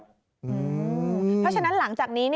เพราะฉะนั้นหลังจากนี้